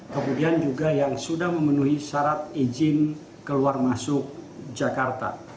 kemudian juga yang sudah memenuhi syarat izin keluar masuk jakarta